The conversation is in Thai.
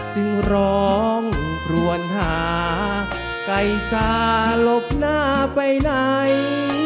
จึงร้องรวนหาไก่จะหลบหน้าไปไหน